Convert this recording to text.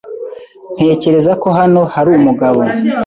Ntekereza ko hano hari umugabo.